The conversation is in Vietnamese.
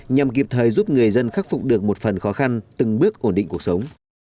nhằm kịp thời giúp người dân khắc phục được một phần khó khăn từng bước ổn định cuộc sống